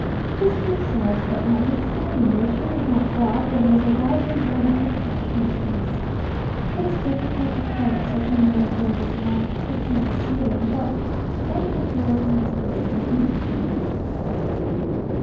History says, that notwithstanding this, she was not robbed, and was allowed to enjoy her good fortune in peace. It is difficult to credit such a miracle in this land of picking and stealing, but rny authority is beyond impeachment.